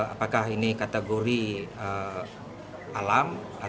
apakah ini kategori alam